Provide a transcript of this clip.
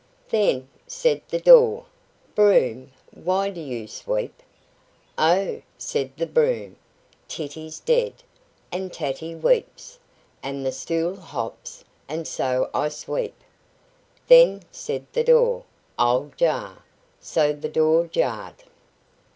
"Then," said the door, "Broom, why do you sweep?" "Oh!" said the broom, "Titty's dead, and Tatty weeps, and the stool hops, and so I sweep." "Then," said the door, "I'll jar." So the door jarred.